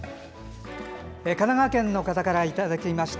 神奈川県の方からいただきました。